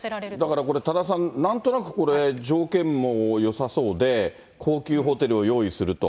だからこれ、多田さん、なんとなく条件もよさそうで、高級ホテルを用意すると。